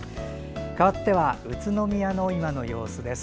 かわっては宇都宮の今の様子です。